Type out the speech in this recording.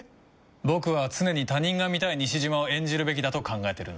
僕は常に他人が見たい西島を演じるべきだと考えてるんだ。